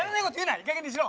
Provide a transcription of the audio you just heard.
いいかげんにしろ！